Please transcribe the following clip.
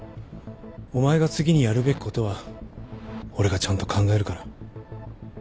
お前が次にやるべきことは俺がちゃんと考えるから。